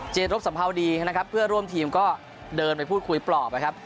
รบสัมภาวดีนะครับเพื่อร่วมทีมก็เดินไปพูดคุยปลอบนะครับ